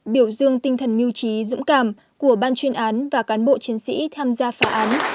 biểu dương tinh thần mưu trí dũng cảm của ban chuyên án và cán bộ chiến sĩ tham gia phá án